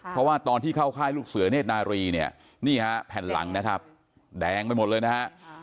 เพราะว่าตอนที่เข้าค่ายลูกเสือเนธนารีเนี่ยนี่ฮะแผ่นหลังนะครับแดงไปหมดเลยนะฮะ